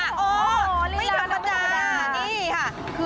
โอัโฮจริงวาดเวียวจ้าไม่ดีค่ะ